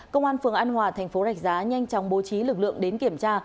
công an phường an hòa tp rạch giá nhanh chóng bố trí lực lượng đến kiểm tra